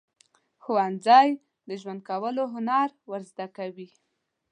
ښوونځی د ژوند کولو هنر ورزده کوي.